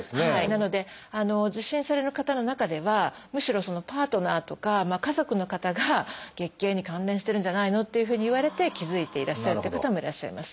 なので受診される方の中ではむしろそのパートナーとか家族の方が「月経に関連してるんじゃないの？」っていうふうに言われて気付いていらっしゃるって方もいらっしゃいます。